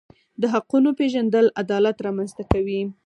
د حقونو پیژندل عدالت رامنځته کوي.